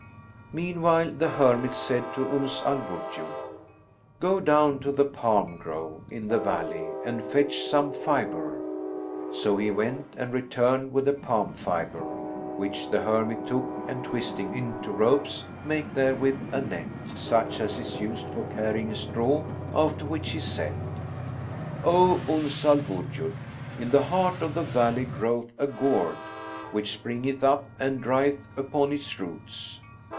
Meanwhile, the hermit said to Uns al Wujud, "Go down to the palm grove in the valley and fetch some fibre."[FN#56] So he went and returned with the palm fibre, which the hermit took and, twisting into ropes, make therewith a net,[FN#57] such as is used for carrying straw; after which he said, "O Uns al Wujud, in the heart of the valley groweth a gourd, which springeth up and drieth upon its roots.